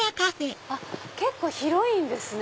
結構広いんですね。